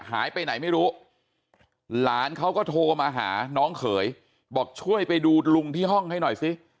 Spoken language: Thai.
หายไปไหนไม่รู้หลานเขาก็โทรมาหาน้องเขยบอกช่วยไปดูลุงที่ห้องให้หน่อยสิ